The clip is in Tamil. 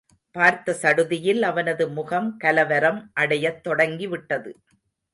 பார்த்த சடுதியில் அவனது முகம் கலவரம் அடையத் தொடங்கிவிட்டது.